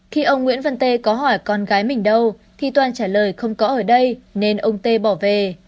khi ông nguyễn văn tê có hỏi con gái mình đâu thì toàn trả lời không có ở đây nên ông tê bỏ về